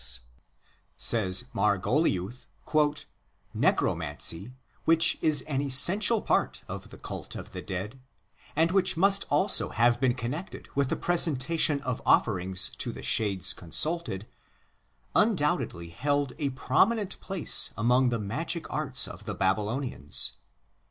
Necromancy," says Margoliouth, 1 " which is an essential part of the cult of the dead, and which must also have been connected with the presenta tion of offerings to the shades consulted, undoubtedly held a prominent place among the magic arts of the Baby lonians."